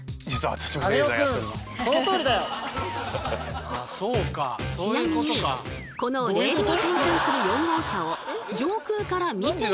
ちなみにこのレールを点検する４号車を上空から見てみると。